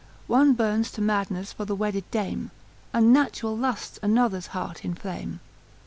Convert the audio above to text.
One burns to madness for the wedded dame; Unnatural lusts another's heart inflame.